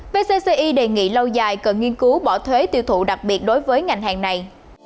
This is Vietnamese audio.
pci đề nghị lâu dài cần nghiên cứu bỏ thuế tiêu thụ đặc biệt đối với ngành hàng này